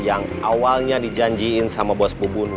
yang awalnya dijanjiin sama bos pebunu